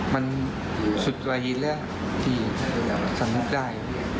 มันสุดหวายหินแล้วที่สมมุติได้